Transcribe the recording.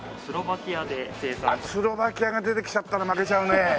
スロバキアが出てきちゃったら負けちゃうね。